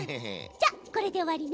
じゃあこれで終わりね！